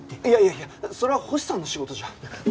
いやいやいやそれは星さんの仕事じゃ。